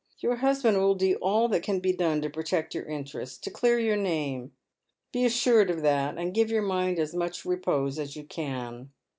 Your husband fill do all that can be done to protect your interests ^to clear your name. Be assured of that, and give your mind as much repose as you can.